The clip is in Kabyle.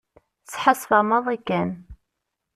Sḥassfeɣ maḍi kan.